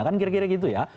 kan kira kira gitu ya